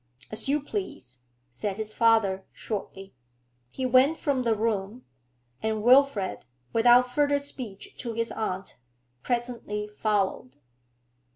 'As you please,' said his father, shortly. He went from the room, and Wilfrid, without further speech to his aunt, presently followed.